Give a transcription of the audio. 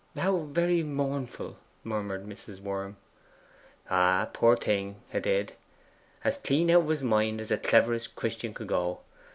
'How very mournful!' murmured Mrs. Worm. 'Ay, poor thing, 'a did! As clean out of his mind as the cleverest Christian could go.